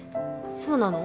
そうなの？